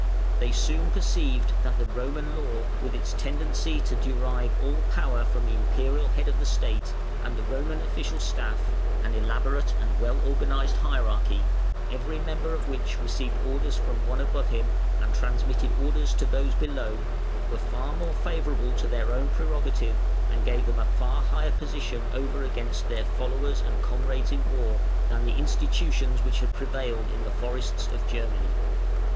They soon perceived that the Roman law, with its tendency to derive all power from the Imperial head of the State, and the Roman official staff, an elaborate and well organised hierarchy, every member of which received orders from one above him and transmitted orders to those below, were far more favourable to their own prerogative and gave them a far higher position over against their followers and comrades in war, than the institutions which had prevailed in the forests of Germany.